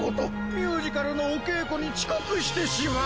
ミュージカルのおけいこにちこくしてしまう！